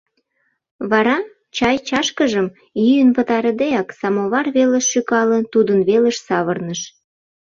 Вара, чай чашкыжым, йӱын пытарыдеак, самовар велыш шӱкалын, тудын велыш савырныш.